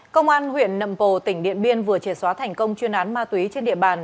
công an huyện nậm pồ tỉnh điện biên vừa triệt xóa thành công chuyên án ma túy trên địa bàn